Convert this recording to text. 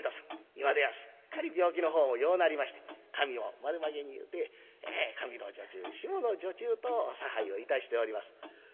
今ではすっかり病気のほうも良うなりまして髪を丸まげに結うて上の女中下の女中と差配をいたしております。